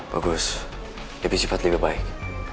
bagus lebih cepat lebih baik